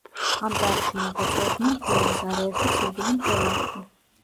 ამ დარგში მოღვაწეობდნენ ბუნების არაერთი ცნობილი მკვლევარები.